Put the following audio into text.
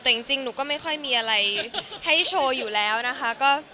แต่จริงหนูก็ไม่ค่อยมีอะไรให้โชว์อยู่แล้วนะคะ